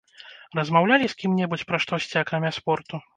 Размаўлялі з кім-небудзь пра штосьці, акрамя спорту?